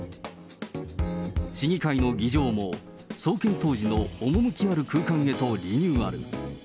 市議会の議場も創建当時の趣ある空間へとリニューアル。